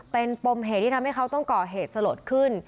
เป็นปมเหตุที่ทำให้เขาต้องก่อเหตุสลดขึ้น